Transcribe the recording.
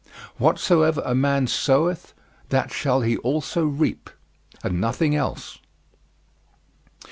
"Whatsoever a man soweth that shall he also reap," and nothing else.